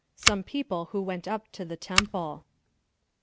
SOME PEOPLE WHO WENT UP TO THE TEMPLE.